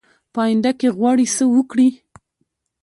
په آینده کې غواړي څه وکړي ؟